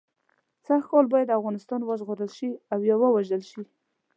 سږ کال باید افغانستان وژغورل شي او یا ووژل شي.